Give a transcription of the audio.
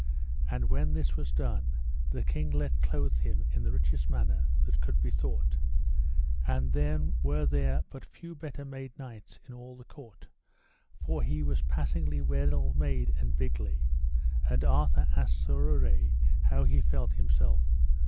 And when this was done, the king let clothe him in the richest manner that could be thought; and then were there but few better made knights in all the court, for he was passingly well made and bigly; and Arthur asked Sir Urre how he felt himself.